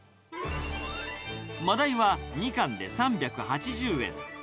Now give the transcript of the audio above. マダイは２貫で３８０円。